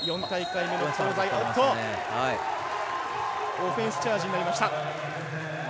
オフェンスチャージになりました。